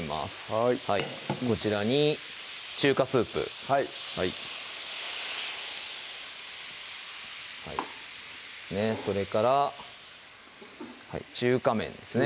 はいこちらに中華スープはいそれから中華麺ですね